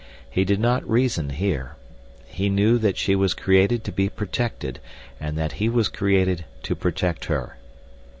He did not reason here. He knew that she was created to be protected, and that he was created to protect her.